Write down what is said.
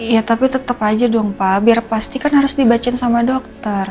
ya tapi tetap aja dong pak biar pasti kan harus dibacain sama dokter